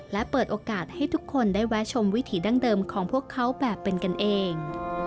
และเปิดโอกาสให้ทุกคนได้แวะชมวิถีดั้งเดิมของพวกเขาแบบเป็นกันเอง